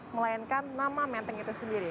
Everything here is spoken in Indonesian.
melainkan nama menteng itu sendiri